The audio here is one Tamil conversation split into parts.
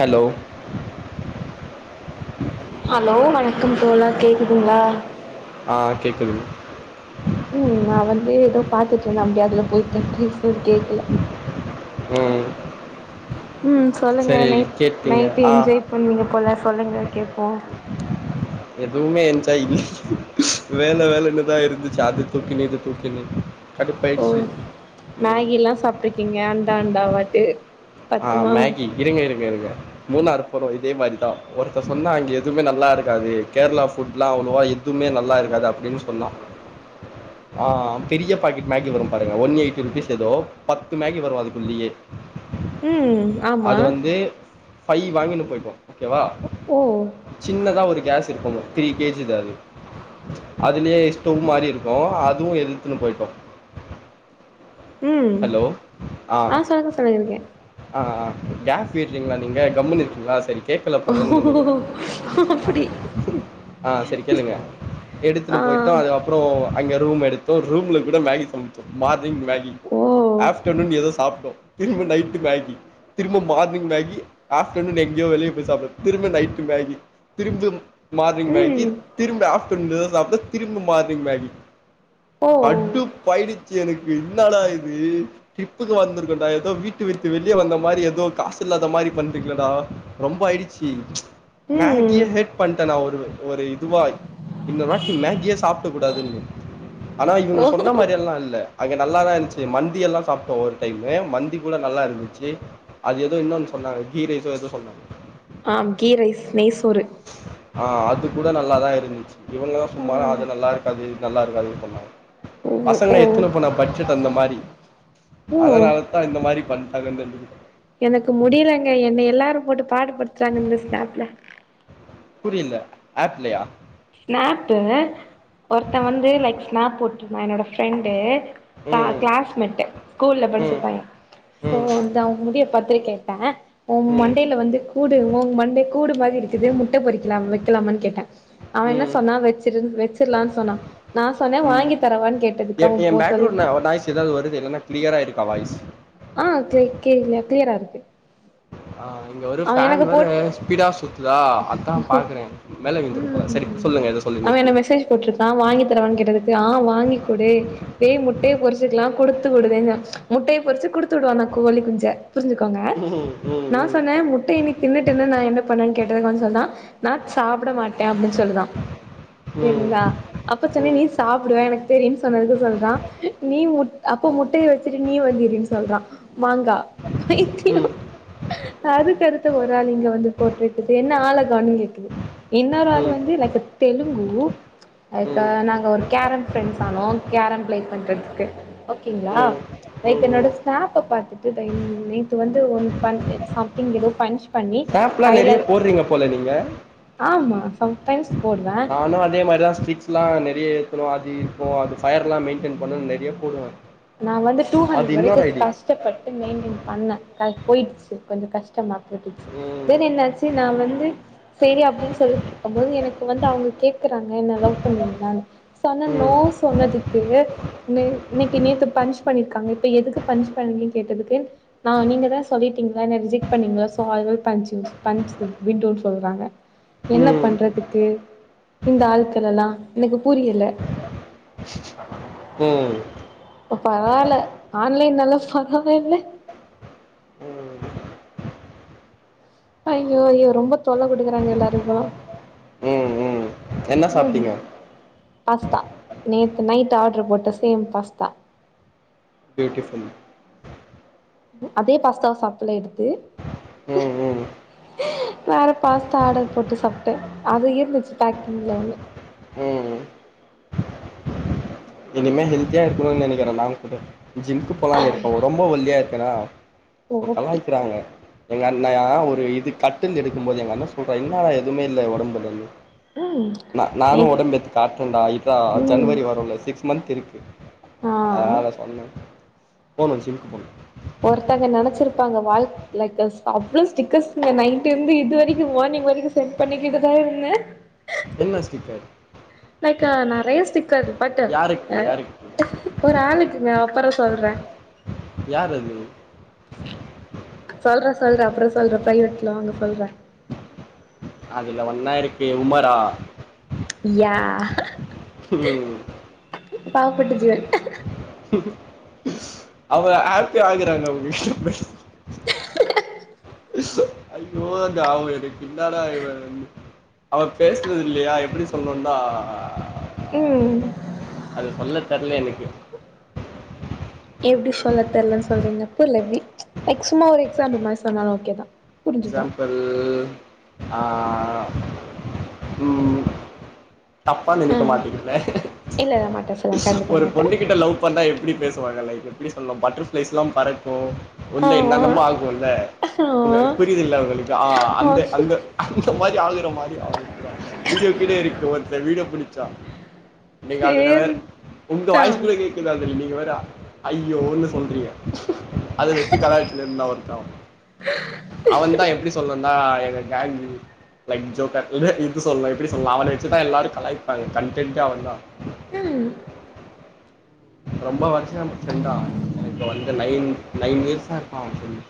ஹலோ ஹலோ வணக்கம் தோழா கேக்குதுங்ளா ஆ கேக்குது ம் நா வந்து ஏதோ பாத்தட்டு இருந்தே அப்டி அதுல போயிட்ட பேசுனது கேக்கல ம் ம் சொல்லுங்க சரி நைட் கேட்டீங்க நைட் ஆ என்ஜாய் பண்ணுவீங்க போல சொல்லுங்க கேப்போ எதுவுமே என்ச்சா இல் வேல வேலன்னுதா இருந்துச்சு அத தூக்கினு இத தூக்கினி கட்டுப்பாயிட்சி லா சாப்ட்ருக் ங்க அந்தா அண்டாவாட்டு ஆ பத்துமா மேகி இருங்க இருங்க இருங்க மூணாறு போனோ இதே மாரிதா ஒருத்த சொன்னா அங்க எதுமே நல்லா இருக்காது கேரளா ஃபுட்லா அவ்ளோவா இருக் எதுமே நல்லா இருக்காது அப்டின் சொன்னா ஆ பெரிய பாக்கெட் மேகி வரு பாருங்க ஒன் எயிட்டி ருபீஸ் ஏதோ பத்து மேகி வரு அதுக்குள்ளயே ம் ஆமா அது வந்து ஃபை வாங்கினு போய்ட்டோ ஓகேவா ஒ ஓ சின்னதா ஒரு கேஸ் இருக்குங்க த்ரீ கேஜிதா அது அதுலயே இஸ்டோவ் மாரி இருக்கு அதுவு எதுத்துன்னு போயிட்டோ ம் ஹலோ ஆ ஆ சொல்லுங்க சொல்லுங்க இருக்கே ஆ ஆ ஆ கேஸ் வைட்னிங்ளா நீங்க கம்முன்னு இருக்கீங்களா சரி கேக்கல போலன்னு நெனக்கிறே ஓ ஆ அப்டி ஆ சரி கேளுங்க ஆ எடுத்துன்னு போயிட்டோ அதுக்கு அப்புறோ அங்க ரூம் எடுத்தோ ரூம்ல கூட மேகி சமச்சோ மார்னிங் மேகி ஓ ஆஃப்டர்நூன் எதோ சாப்ட்டோ திரும்ப நைட்டு மேகி திரும்ப மார்னிங் மேகி ஆப்டனு எங்கயோ வெளிய போய் சாப்பிற திரும்ப நைட்டு மேகி திரும்ப மார்னிங் ம் மேகி திரும்ப ஆப்டனு எதா சாப்ட்டோ திரும்ப மார்னிங் மேகி ஓ கடுப்பாயிடுச்சு எனக்கு ன்னடா இது ட்ரிப்புக்கு வந்திருக்கோன்டா ஏதோ வீட்ட வீட்டு வெளியே வந்த மாரி ஏதோ காசு இல்லாத மாரி பண்ரிங்கலடா ரொம்ப ஆயிடுச்சு ம் மேகியே ஹெட் பண்ணிட்டே நான் ஒரு ஒரு இதுவா இந்த வாட்டி மேகியே சாப்ட கூடாதுனு ஆனா இவங்க ஓ சொன்ன மாரிய எல்லா இல்ல அங்கே நல்லாதா இருந்துச்சு மந்தி எல்லா சாப்ட்டோ ஒரு டைமு மந்தி கூட நல்லா இருந்துச்சு அது எதோ இன்னொன்னு சொன்னாங்க கீ ரைஸோ ஏதோ சொன்னாங்க ஆ கி ரைஸ் நெய் சோறு ஆ அது கூட நல்லாதா இருந்துச்சு இவங்கல்லா ஆ சும்மா அது நல்லா இருக்காது இது நல்லா இருக்காது சொன்னாங்க ஓ பசங்க ஓ எத்துனு போன பட் ஜட் அந்த மாரி ஓ அதனால தா இந்த மாரி பண்டாங்கனு நெனைக்குற எனக்கு முடியலங்க என்ன எல்லாரு போட்டு பாடுபடுத்துறாங்க இந்த ஸ்னாப்ல புரியல அப்லையா ஸ்னாப்பு ஒருத்த வந்து லைக் ஸ்னாப் போட்ருந்தா என்னோட ஃப்ரெண்டு ம் கிளாஸ்மெட்டு ஸ்கூல்ல ம் படிச்சபைய இப்போ ம் வந்து அவங்க முடிய பத்தி கேட்ட உ ம் மண்டைல வந்து கூடு உ மண்டை கூடு மாரி இருக்குது முட்டை பொறிக்கலா வைக்கலாமானு கேட்டே அவ என்ன ம் சொன்னா வச்சிரு வச்சிறலானு சொன்னா நா சொன்ன ம் வாங்கி தரவான்னு கேட்டதுக்கு அவன் போ சொல்லிரு எதாது வருது இல்லன்னா கிளியரா இருக்கா வாய்ஸ் ஆ க்ளே கே இல்ல கிளியரா இருக்கு ஆ இங்க ஒரு அவ ஃபேன் எனக்கு ஒரே போட் ஸ்பீடா சுத் துதா அதா பாக்கறே மேல விந்துரு போல சரி இப்ப சொல்லுங்க எதோ சொல்லினு இருக்கீங்க போட்ருத்தா வாங்கித்தரவான் கேட்டதுக்கு ஆ வாங்கி்க்குடு வேய் முட்டைய பொரிச்சிக்லா குடுத்து விடுவேங்க முட்டைய பொறிச்சு குடுத்து வுடுவானா கோழி குஞ்ச புரிஞ்சுகோங்க ம் ம் நா ம் சொன்னே முட்டைய நீத் தின்னுட்டுன நா என்னப் பண்ணுவே கேட்டதுக்கு அவ சொன்னா நான் சாப்ட மாட் டே அப்டின் சொல்லுதா ம் ம் சேரிங்ளா அப்பச் ம் சொன்ன ம் நீச் சாப்டுவே எனக் தெரியுன் சொன்னதுகு சொல்றா நீ முட் அப்போ முட்டைய வச்சிட்டு நீ வந்து இருன் சொல்றா மாங்கா பைத்தியோ அதுக்கடுத்த ஒரு ஆள் இங்க வந்து போட்ருட் டுத்து என்ன ஆளக்கானன் கேக்குது இன்னொரு ஆளு வந்து லைக்க்த் தெலுங்கு அதுக்கா ம் நாங்க ஒரு கேரம் ஃப்ரெண்ட்ஸ் ஆனோ கேரம் பிளேக் பண்றதுக்கு ஓகேங்ளா ம் லைக் ம் ம் என்னோடச் ஸ்னேப்பப் பாத்துட்டு பயிந் நேத்து வந்து ஒன் பன் எக்ஸ் சம்திங் ஏதோ பஞ்ச் பண்ணி சேப்லா நெறையப் போர்றிங்கப் போல நீங்க ஆம்மா சம்டைம்ஸ் போடுவே நானு அதே மாரிதா ஸ்ட்ரிக்ஸ்லா நெறிய எத்னுவா அது இப்போ அது ஃபையர்லாம் மெயின்டென் பண்ணு நெறைய போடுவே நா வந்து டூ ஹண்ட்ரெட் வரைக்கு கஷ்டப்பட்டு மெயின்டின் பண்ணே கட் போயிட்ச்சி கொஞ்ச கஷ்டமாக் போட்ருச்சு ம் வேற என்னாச்சி நா வந்து செரி அப்டின் சொல்லிட்ருக்கம் போது எனக்கு வந்து அவுங்கிள் கேக்கறாங்க என்ன லவ்ப் பண்வீங்ளானு சொன்ன நோ ம் சொன்னதுக்கு நே நிக் த்தி நேத்துப் பஞ்ச் பண்ணிருக்காங்க இப்ப எதுக்கு பஞ்ச் பண்ணீங்கன் கேட்டதுக்கு நா நீங்கதா சொல்லிர்க்கீங்ள என்ன ரிஜெக்ட் பண்ணீங்ள so I will punch யூச் punch திவ் விண்ட்டூட் சொல்றாங்க என்னப் ம் பண்றதுக்கு இந்த ஆள்க்களலா எனக்கு புரியல போ இப்ப பரவால்ல ஆன்லைன்லலா ஃபண்ணவேல்ல ம் ஐயோ ஐயோ ரொம்ப தொல்ல குடுக்கறாங்க எல்லாரு இப்பலா ம் ம் என்ன மேகி சாப்ட்டீங்க பாஸ்தா நேத்து நைட்டு ஆர்டர் போட்ட சேம் பாஸ்தா பியூட்டிஃபுல் அதே பாஸ்தாவ சாப்பல்ல எடுத்து ம் ம் வேற பாஸ்தா ஆர்டர் போட்டு சாப்ட்ட அது இருந்துச்சி பேக்கிங்ல ஒன்னு ம் இனிமே ஹெல்தியா இருக்குனுன் நெனைக்கிற நாங் கூட ஜிம்கு போலான் இருக்க ரொம்ப ஒல்லியா இருக்கனா ஓ சோ அப்டி கலாய்க்கிறாங்க எங்க அண்ணயா ஒரு இது கட்டில் எடுக்கும்போது எங்க அண்ண சொல்றா என்னாட எதுமே இல்ல ஒடம்புலந்து ம் நா நானு நேத் ஒடம்பேத்தி காட்றன்டா இர்றா ம் ஜனவரி வருல சிக்ஸ் மந்த் திருக்கு ஆ அதனால சொன்ன போனு ஜிம்க்கு போனு ஒருத்தங்க நெனச்சிருப்பாங்க வாழ்க் லைக்கஸ் அவ்ளோ ஸ்டிக்கஸ்ங்க நைட் இருந்து இது வரைக்கு மார்னிங் வரைக்கு சென்ட் பண்ணிக்கிட்டுதா இருந்த என்ன ஸ்டிக்கர் லைக்கா நெறைய ஸ்டிக்கர் பட்டு யாருக்கு அ யாருக்கு ஒரு ஆளுக்குங்க அப்பறோ சொல்ற யாரது சொல்ற சொல்ற அப்றோ சொல்ற ப்ரைவேட்ல வாங்க சொல்ற அதுல ஒன்னா இருக்கே உமரா யா ம் பாவப்பட்டு ஜெல் ம் அவுங்க ஹாப்பி ஆகுறாங்க அவுங்க ஐயோ அந்த அவுங்க எனக்கு இன்னடா [unintelligible] அவே பேசுறது இல்லையா எப்டி சொல்னுன்தா ம் அது சொல்ல தெர்ல எனக்கு எப்டி சொல்ல தெர்லன்னு சொல்றீங்க இப்ப லேவ்வி லைக் சும்மா ஒரு எக்ஸாம்பில் மாரி சொன்னாலு ஓகேதா எக்ஸாம்பள் ஆ ம் தப்பா ஆ நெனைக்க மாட்டிக்கல்ல இல்ல இல்ல மாட்ட சொல்லுங்க கண்டிப்பா ஒரு மாட்ட பொண்ணு கிட்ட லவ் லவ் பண்ணா எப்டி பேசுவாங்கல்ல இப்போ எப்டி சொல்னு பட்டர்ஃபிளைஸ்லா பறக்கு ஆ உள்ள என்னென்னமோ ஆகு உள்ள உங்க ஆ புரியிதுங்கலா உங்களுக்கு ஆ அந்த ஆ அந்த அந்த மாரி ஆளுங்கிட்ட மாட்டிகினு அவுங்களுக்கு க வீடியோ கீழே இருக்கு ஒருத்த வீடியோ புடிச்சா நீங்க அதுல வேற சேரி உங்க தா வாய்ஸ் கூட கேக் க்குது அதுல நீங்க வேற ஐயோன்னு சொல்றீங்க அத வெச்சு கலாச்சினு இருந்தா ஒருத்தே அவே அவன் தா எப்டி சொல்லான் தா எங்க எங்க கேங்கி லைக் ஜோக்கர் இல்ல இது சொல்லா எப்டி சொல்லா அவன வெச்சிதா எல்லாரு கலாய்ப்பாங்க கன்டென்டே அவே தா உம் ரொம்ப வருஷம் ஃப்ரெண்டு அவே எனக்கு வந்து நைன் நைன் இயர்ஸா இருப்பா அவே ஃப்ரெண்ட்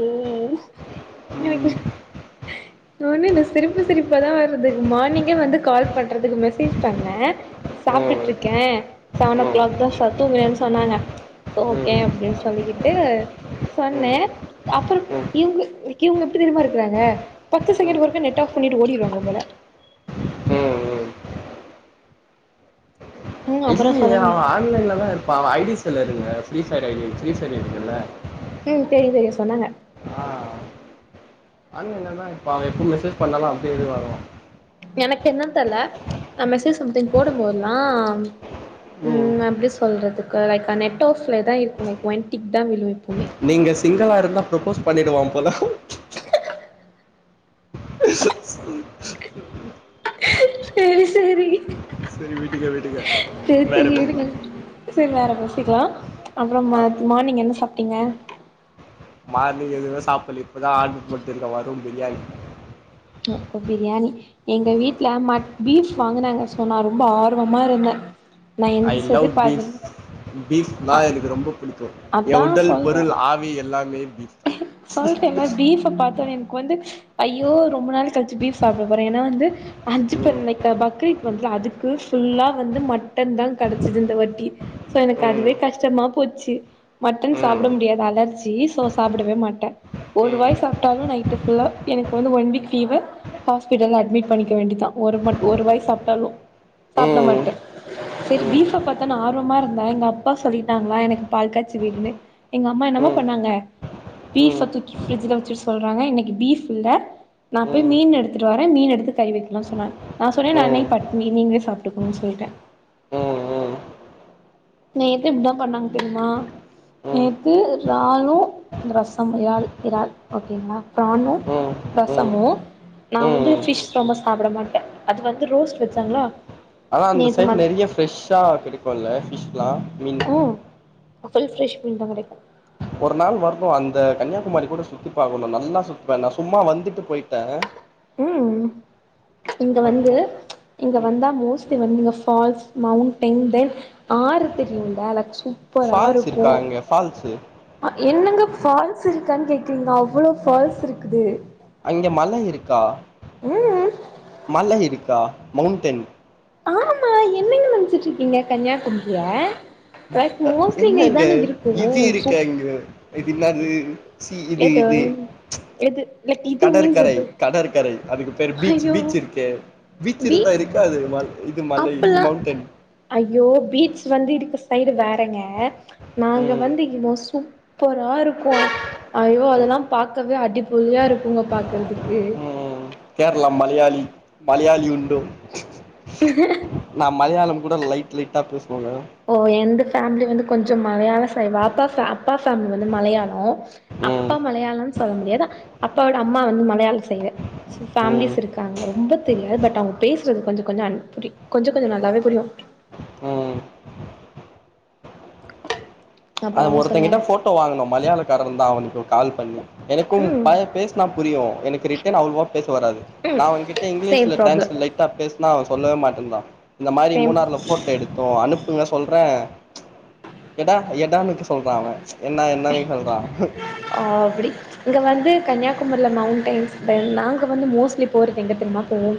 ஓ ம் எனக்கு நானே இந்த சிரிப்பு சிரிப்பதா வருது மார்னிங்கே வந்து கால் பண்றதுக்கு மெசேஜ் பண்ண சாப்டுட்டு ம் இருக்கே செவனோ ம் ம் கிளாக் தா ஷார் தூங்குறேன்னு சொன்னாங்க ம் ஓகே அப்டின்னு சொல்லிக்கிட்டு சொன்னே அப்புறம் ம் ம் இவுங்க இவுங்க எப்டி தெரியுமா இருக்குறாங்க பத்து செகண்ட் ஒருக்கா நெட் ஆஃப் பண்ணிட்டு ஓடிடுவாங்க போல ம் ம் ம் அப்புறோ இல்லியே சொல்லுங்க அவே ஆன்லைன்லதா இருப்பா அவே ஐ டி ஸ் இல்ல இல்ல இருங்க ஃப்ரீஸான ஐ டி ஃப்ரீசர்ல இருக்குல்ல ம் தெரியு தெரியு சொன்னாங்க ஆ ஆன்லைன்ல தா இருப்பா எப்போ மெசேஜ் பண்ணாலு அப்டியே இதுவருவான் எனக்கு என்னென் தெர்ல நா மெசேஜ் சம்திங் போடும் போதெல்லா ம் எப்டி சொல்றதுக்கு லைக் நெட் ஆஃப்ல தா இருக்குமே லைக் ஒன்டிக் தா விழு எப்புமே சிங்களாக இருந்தா ப்ரொபோஸ் பண்ணிடுவான் போல கிர்.. ஸ்,, சேரி சேரி சேரி விடுங்க விடுங்க சேரி சேரி விடுங்க சேரி வேற பேசிக்கலா அப்றோ ஆ மார் மார்னிங் என்ன சாப்டீங்க மார்னிங் எதுவுமே சாப்பல்ல இப்பதா ஆர்டர் போட்டிருக்கே வரும் பிரியாணி ஒ ஒ பிரியாணி எங்க வீட்டுல மட் பீஃப் வாங்குனாங்க சோ நா ரொம்ப ஆர்வமா இருந்தே நா ஐ லவ் எந்திச்சது பீஃப் பதினொ பீஃப்னா அ எனக்கு ரொம்ப புடிக்கும் என் அதா உடல் பொருள் ஆவி எல்லாமே பீஃப் தா சொல்றேல்ல பீஃப் ஆ பாத்தோட்னே எனக்கு வந்து ஐயோ ரொ ரொம்ப நாள் கழிச்சி பீஃப் சாப்டப்போறே ஏன்னா வந்து அஞ்சு பர் ம் நிக்கா பக்ரீத் வர்துல்ல அதுக்கு ஃபுல்லா வந்து மட் மட்டன் தா கடைச்சிது இந்த வட்டி சோ எனக்கு ம் அதுவே கஷ்டமா போச்சி மட்டன் சாப்ட முடியாது அலர்ஜி சோ சாப்புடவே மாட்டே ஒரு ம் வாய் சாப்டாலு நைட்டு ஃபுல்லா எனக்கு வந்து ஒன் வீக் ஃபீவர் ஹாஸ்பிடல்ல அட்மிட் பண்ணிக்க வேண்டியதா ஒரு மட் வாய் சாப்ட்டாலு ம் சாப்ட ம் மாட்டே சரி ம் பீஃப பாத்தா நா ஆர்வமா இருந்தே எங்கப்பா சொல்லிட்டாங்களா எனக்கு பால்காச்சி விடுனு எங்கம்மா ம் என்னமா ம் பண்ணாங்க ம் ம் ம் பீஃப ம் தூக்கி ஃப்ரிட்ஜ்ல வச்சுடு சொல்றாங்க இன்னிக்கு பீஃப் இல்ல நா போய் மீன் எடுத்துட்டு வறே மீன் எடுத்து கைவைக்கலான் சொன்னா நா சொன்னே நா இன்னைக் பட்னி நீங்களே சாப்ட்டுக்கோங்கன் சொல்ட்டே நேத்து இப்தா பண்ணாங்க தெரிமா நேத்து ரானூ ரசம் யால் இறால் ஓகேங்ளா பிரானூ ம் ம் ம் ரசமூ நா வந்து ம் ஃபிஷ் ரொம்ப சாப்ட மாட்டே அது வந்து ரோஸ்ட் வச்சாங்களா ஆனா அந்த நேத்து சைட் மட் நெறைய ஃபிரஷ்ஷா கெடிக்கூமல ஃபிஷ்லா மீன் ம் [unintelligible] ஃப்ரஷ் மீன் தா கெடைக்கூ ஒரு நாள் வரணு அந்த கன்னியாகுமாரி கூட சுத்தி பாக்கணு நல்லா சுத்துவே நா சும்மா வந்துட்டு போயிட்டே ம் இங்க வந்து வரணும் இங்க ம் வந்தா மோஸ்ட் து வந்து இங்க ஃபால்ஸ் மவுண்டைன் தென் ஆறு தெரியுல லைக் சூப் பரா ஃபால்ஸ் இருக்கூ இருக்கா அங்க ஃபால்ஸு என்னங்க ஃபால்ஸ் இருக்கான் கேக்குறீங்க அவ்ளோ ஃபால்ஸ் இருக்குது அங்கே மலை இருக்கா ம் மலை இருக்கா மௌண்டன் ஆமா என்னங்க நெனச்சுட்ருக்கீங்க கன்னியாகும்ரிய ரைட் மோஸ்ட்லி இங்க இதானே இருக்கு சோ ஏ இதுன்னாது சி இது எது இது எது லைக் இது மீன்ஸ் கடற்கரை எது கடற்கரை அதுக்கு பேரு பீச் ஐயோ பீச் இருக்கே பீச் இருந்தா இருக்காது ம இது மலை அப்பல்லா மௌவுண்டன் ஐயோ பீச் வந்து இருக்க சைடு வேறங்க நாங்க ம் வந்து இங்க மோஸ் சூ ப்பரா இருக்கூ ஐயோ அதெல்லா பாக்கவே அடிப்பொலியா இருக்கூங்க பாக்கற்துக்கு ம் கேரளா மலையாளி மலையாளி உண்டோ நா மலையாளம் கூட லைட் லைட்டா பேசுவேங்க ஓ எந்து ஃபேமிலி வந்து கொஞ்சோ மலையாள சைடு வாப்பா ஃபே அப்பா ஃபேமிலி வந்து மலையாளோ ம் அப்பா மலையாளோன் சொல்ல முடியாது அப்பாவோட அம்மா வந்து மலையாள சைடு சோ ம் ஃபேமிலிஸ் இருக்காங்க ரொம்ப தெரியாது பட் அவங்க பேசுறது கொஞ்ச கொஞ்சோ அன் புரி கொஞ்ச கொஞ்சோ நல்லாவே புரியு ம் அப்றோ அந்த சொல்லுங்க ஒருத்தங்கிட்ட ஃபோட்டோ வாங்குனோ மலையாளக்காரன் தா அவனுக்கு கால் பண்ணி எனக்கும் ம் பய பேசுனா புரியு எனக்கு ரிட்டர்ன் அவ்ளவா பேச வராது நா ம் அவங்கிட்ட சேம் இங்கிலீஷ்ல டிரான்ஸ் ப்ராப்ளம் லைட்டா பேசுனா அவ சொல்லவே மாட்டேன்ட்றா இந்த மாரி சேம் மூணாறுல ஃபோட்டோ எடுத் தோ அனுப்புங்க சொல்றே கேட்டா எடான்னுக்கு சொல்றா அவ என்ன என்னனே சொல்றா ஆப்டி இங்க வந்து கன்னியாகுமரியல மவுண்டையின்ஸ் தென் நாங்க வந்து மோஸ்ட்லி போறது எங்க தெரியும்மா போவோ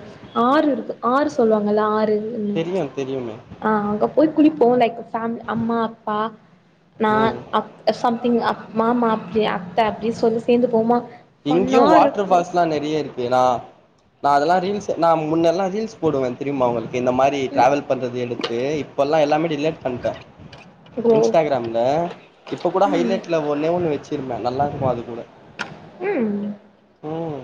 ஆறு இருக்கு ஆறு சொல்லுவாங்கல்ல ஆறு தெரியு தெரியுமே ஆ அங்கப் போய் குளிப்போ லைக் ஃபேம் அம்மா அப்பா நா ம் அப் சம்திங் அப் மாமா அப்டி அத்த அப்டி சொல்லி சேந்து போவ்மா இங்கியு வாட்டர் ஃபால்ஸ்லா நெறைய இருக்கு நா நா அதெல்லா ரீல்ஸ் நா முன்னெல்லா ரீல்ஸ் போடுவே தெரியுமா உங்களுக்கு இந்த மாரி ட்ராவல் பண்றது எடுத்து இப்பல்லா எல்லாமே டிலேட் பண்ட்டே ப்ரோ இன்ஸ்டாகிராம்ல இப்போ கூட ம் ஹைலைட்ல ஒன்னே ஒன்னு வச்சுருந்தே நல்லாருக்கூ அது கூட ம் ம்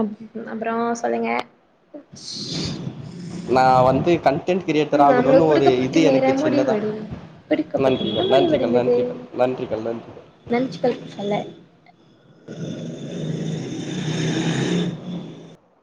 அப் அப்றோ சொல்லுங்க நா வந்து கன்டென்ட் கிரியேட்டர் ம் ஆகணுனு நம்மளுக்கு ஒரு குடுக்கப்பட்ட இது எனக்கு நேரம் சின்னதா முடிவடைந் குடுக்கப்பட்ட நன்றிகள் நேரம் நன்றிகள் நன்றிகள் நன்றிகள் நன்றிகள் நன்சுகளுக்கு சொன்ன